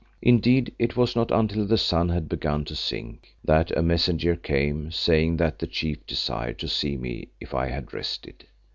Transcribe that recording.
Indeed, it was not until the sun had begun to sink that a messenger came, saying that the Chief desired to see me if I had rested.